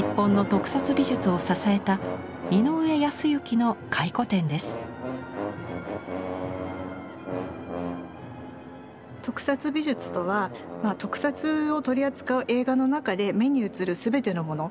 特撮美術とは特撮を取り扱う映画の中で目に映る全てのもの。